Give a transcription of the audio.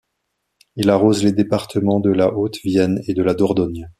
Il arrose les départements de la Haute-Vienne et de la Dordogne.